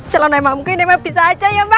salah naik muka ini emang bisa aja ya ma ya